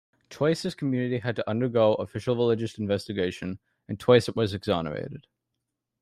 Twice his community had to undergo official religious investigation, and twice it was exonerated.